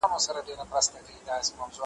مستول چي مي جامونه هغه نه یم .